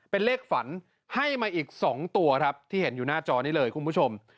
เป็นเลขฝันให้มาอีก๒ตัวครับที่เห็นอยู่หน้าจอนี้เลยคุณผู้ชม